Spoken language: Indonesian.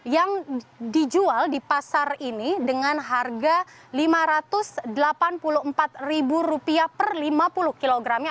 yang dijual di pasar ini dengan harga rp lima ratus delapan puluh empat per lima puluh kilogramnya